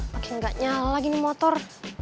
makin tidak nyala lagi ini motor